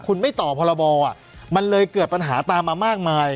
คุณไม่ต่อพรบมันเลยเกิดปัญหาตามมามากมาย